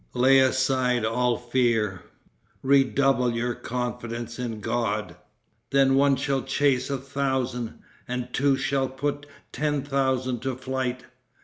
Lay aside all fear. Redouble your confidence in God. Then one shall chase a thousand, and two shall put ten thousand to flight.